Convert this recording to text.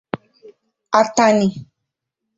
Atanị